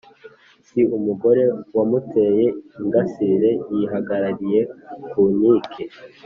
Si umugore wamuteye ingasire yihagarariye ku nkike